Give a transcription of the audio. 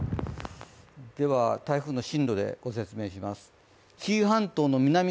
台風の進路でご説明します。